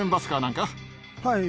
はい。